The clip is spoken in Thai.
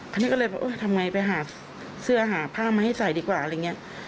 อันนี้ก็เลยบอกเออทำไงไปหาเสื้อหาผ้ามาให้ใส่ดีกว่าอะไรอย่างนี้